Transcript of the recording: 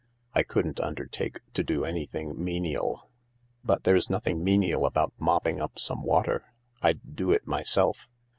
I couldn't undertake to do anything menial." "But there's nothing menial about mopping up some water. I'd do it myself."